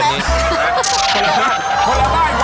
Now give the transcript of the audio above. คนละบ้านคนละบ้าน